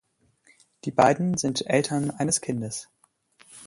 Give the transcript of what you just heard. Die beiden sind Eltern eines Kindes.